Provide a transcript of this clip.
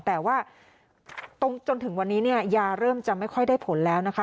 แต่ว่าจนถึงวันนี้เนี่ยยาเริ่มจะไม่ค่อยได้ผลแล้วนะคะ